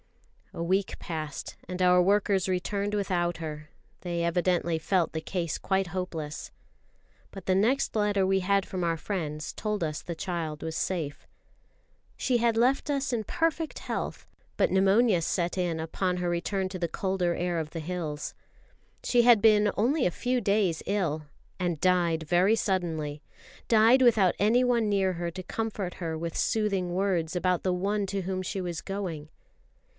A week passed and our workers returned without her; they evidently felt the case quite hopeless. But the next letter we had from our friends told us the child was safe. She had left us in perfect health, but pneumonia set in upon her return to the colder air of the hills. She had been only a few days ill, and died very suddenly died without anyone near her to comfort her with soothing words about the One to whom she was going.